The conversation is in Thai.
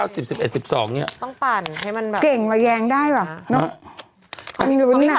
สิบสิบเอ็ดสิบสองเนี้ยต้องปั่นให้มันแบบเก่งมาแยงได้แหวะเนอะ